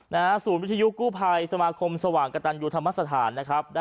ศูนย์วิทยุกู้ภัยสมาคมสว่างกระตันยูธรรมสถานนะครับ